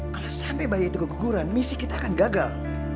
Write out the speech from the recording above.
kalau sampai bayi itu keguguran misi kita akan gagal